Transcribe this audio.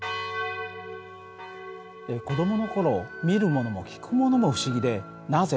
子どもの頃見るものも聞くものも不思議で「なぜ？」